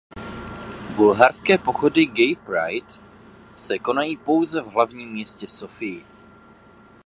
Bulharské pochody gay pride se konají pouze v hlavním městě "Sofii".